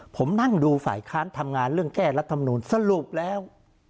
ผมนั่งดูฝ่ายค้านทำงานเรื่องแก้รัฐมนูลสรุปแล้ว